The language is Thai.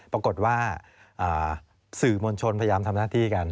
ปรากฏว่าสื่อมวลชนพยายามทำหน้าที่กัน